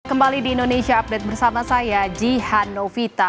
kembali di indonesia update bersama saya jihan novita